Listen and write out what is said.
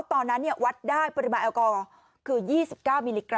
ตอนนั้นเนี่ยวัดได้ปริมาณคือ๒๙มิลลิกรัม